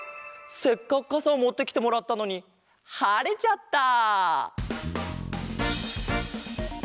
せっかくかさをもってきてもらったのにはれちゃった！